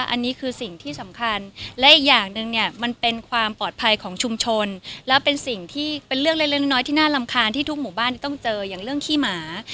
อันนี้คือสิ่งที่สำคัญและอีกอย่างหนึ่งเนี่ยมันเป็นความปลอดภัยของชุมชนแล้วเป็นสิ่งที่เป็นเรื่องเล็กน้อยที่น่ารำคาญที่ทุกหมู่บ้านที่ต้องเจออย่างเรื่องขี้หมา